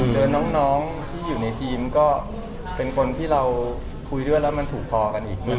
เจอน้องที่อยู่ในทีมก็เป็นคนที่เราคุยด้วยแล้วมันถูกพอกันอีกด้วย